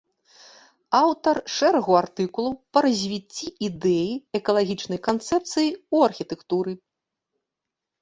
Аўтар шэрагу артыкулаў па развіцці ідэі экалагічнай канцэпцыі ў архітэктуры.